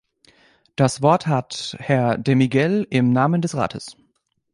Das Wort hat Herr de Miguel im Namen des Rates.